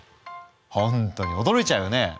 ほんとに驚いちゃうよね。